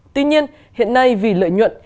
tuy nhiên hiện nay vì lợi nhuận